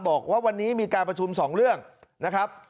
บอกว่าวันนี้มีการประชุม๒เรื่องนะครับ